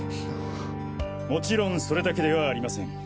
もちろんそれだけではありません。